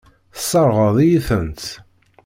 Tesseṛɣeḍ-iyi-tent.